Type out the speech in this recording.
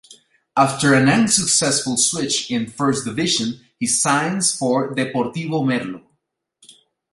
After an unsuccessful switch in First Division, he signs for Deportivo Merlo.